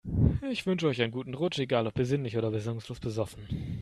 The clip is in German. Ich wünsche euch einen guten Rutsch, egal ob besinnlich oder besinnungslos besoffen.